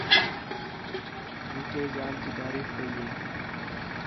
میٹھے ذال تی تعریف کَئی ہِے